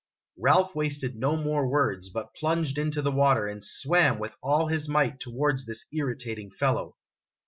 Ralph wasted no more words, but plunged into the water and swam with all his mio'ht toward this irritating fellow.